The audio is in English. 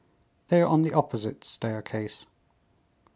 "They are on the opposite staircase."